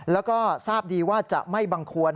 แล้วก็ทราบดีว่าจะไม่บังควร